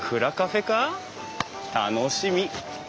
楽しみ！